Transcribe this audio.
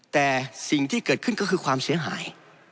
แต่สิ่งที่เกิดขึ้นก็คือความเสียหาย